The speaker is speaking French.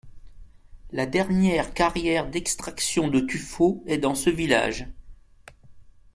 La dernière carrière d'extraction de tuffeau est dans ce village.